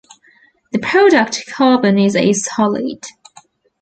The product carbon is a solid.